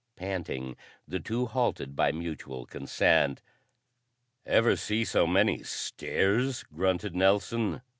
Panting, the two halted by mutual consent. "Ever see so many stairs?" grunted Nelson.